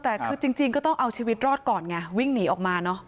แต่คือจริงก็ต้องเอาชีวิตรอดก่อนไงวิ่งหนีออกมาเนอะ